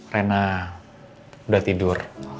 reina udah tidur